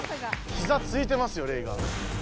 ひざついてますよレイが。